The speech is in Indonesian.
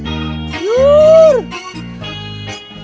udah deh gak jadi aja bang